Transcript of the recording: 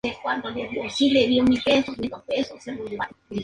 Párroco: D. Carlos Saldaña Fontaneda.